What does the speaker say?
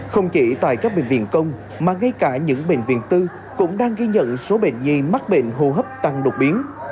không chỉ tại các bệnh viện công mà ngay cả những bệnh viện tư cũng đang ghi nhận số bệnh nhi mắc bệnh hô hấp tăng đột biến